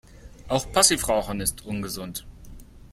Auch Passivrauchen ist ungesund.